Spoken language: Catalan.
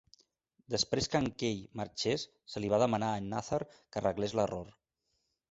Després que en Kaye marxés, se li va demanar a en Nather que arreglés l'error.